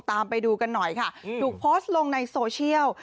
ไปดูกันหน่อยค่ะถูกโพสต์ลงในโซเชียล